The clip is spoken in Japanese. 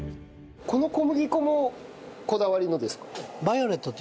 この小麦粉もこだわりのですか？